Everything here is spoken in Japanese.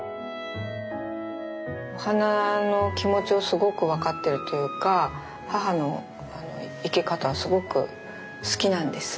お花の気持ちをすごく分かってるというか母の生け方はすごく好きなんです。